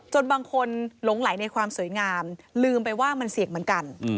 บางคนหลงไหลในความสวยงามลืมไปว่ามันเสี่ยงเหมือนกัน